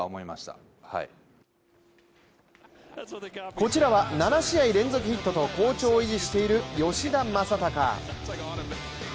こちらは７試合連続ヒットと好調を維持している吉田正尚。